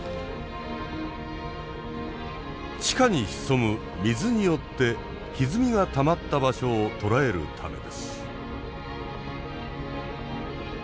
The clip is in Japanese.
地下に潜む水によってひずみがたまった場所をとらえるためです。